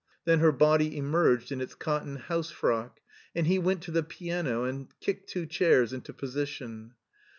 Then her body emerged in its cotton house frock, and he went to the piano and kicked two chairs into position.